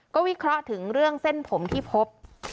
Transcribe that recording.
ก็วิเคราะห์ถึงเรื่องเส้นผมที่พบ